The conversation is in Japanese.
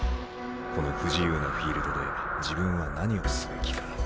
この不自由なフィールドで自分は何をすべきか？